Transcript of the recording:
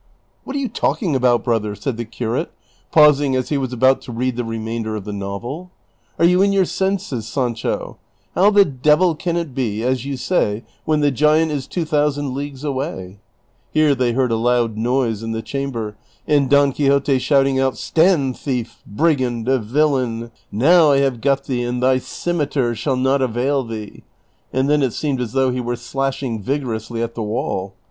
" What are you talking about, brother ?" said the curate, pausing as he was about to read the remainder of the novel. " Are yon in yoiir senses, Sancho ? How the devil can it be as you say, when the giant is two thousand leagues away ?" Here they heard a loud noise in the chamber, and Don Quixote shouting out, " Stand, thief, brigand, villain ; now I DON QUIXOTE ATTACKING THE WINE SKINS. Vol. I. Page 301 CHAPTER XXXV. 301 have got thee and thy cimeter shall not avail thee !" And then it seemed as thongh he were slashing vigorously at the wall.